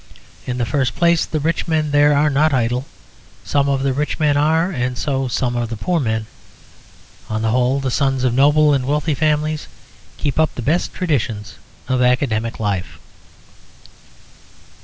In the first place, the rich men there are not idle. Some of the rich men are, and so are some of the poor men. On the whole, the sons of noble and wealthy families keep up the best traditions of academic life."